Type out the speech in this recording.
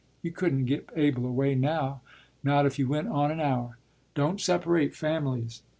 You couldn't get Abel away now, not if you went on an hour. Don't separate families!